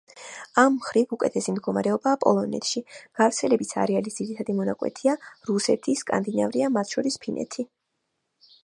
ამ მხრივ, უკეთესი მდგომარეობაა პოლონეთში; გავრცელების არეალის ძირითადი მონაკვეთია რუსეთი, სკანდინავია, მათ შორის ფინეთი.